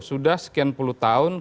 sudah sekian puluh tahun